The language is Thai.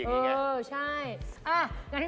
เบ๊กเองก็ยินมา